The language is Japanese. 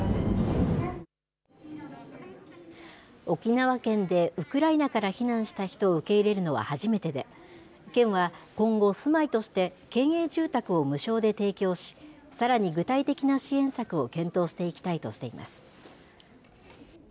沖縄県でウクライナから避難した人を受け入れるのは初めてで、県は今後、住まいとして県営住宅を無償で提供し、さらに具体的な支援策を検討していきたいとしています。